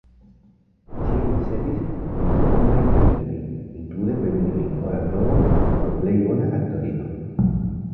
Ŝi ricevis multenombrajn premiojn, inklude Premion Oran Globon por plej bona aktorino.